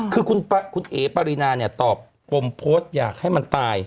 คือคุณเอ๋ปรินาเนี่ยตอบปมโพสต์อยากให้มันตาย